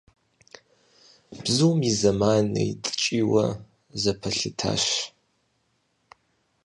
Бзум и зэманри ткӀийуэ зэпэлъытащ.